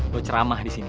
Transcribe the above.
lo ceramah disini